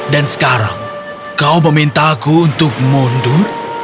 dan sekarang kau meminta aku untuk mundur